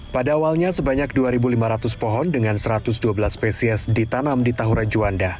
pada awalnya sebanyak dua lima ratus pohon dengan satu ratus dua belas spesies ditanam di tahura juanda